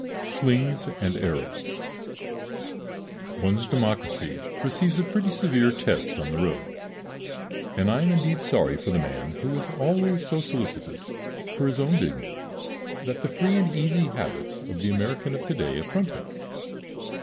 XIV "SLINGS AND ARROWS" One's democracy receives a pretty severe test on the road, and I am indeed sorry for the man who is always so solicitous for his own dignity that the free and easy habits of the American of Today affront him.